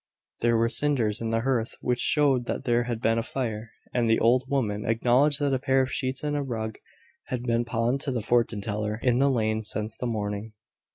There were cinders in the hearth which showed that there had been a fire; and the old woman acknowledged that a pair of sheets and a rug had been pawned to the fortune teller in the lane since the morning.